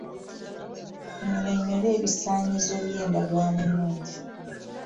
Nnyinyonnyola ebisaanyizo by'endagaano ennungi.